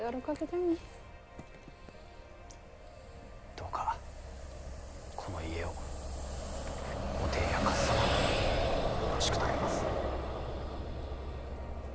どうかこの家をおていやかっさまをよろしく頼みます。